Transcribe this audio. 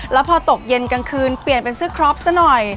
แล้วพอตกเย็นกลางคืนเปลี่ยนเป็นเสื้อครอปซะหน่อย